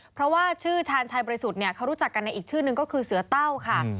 เพราะว่าชื่อชาญชัยบริสุทธิ์เนี่ยเขารู้จักกันในอีกชื่อนึงก็คือเสือเต้าค่ะ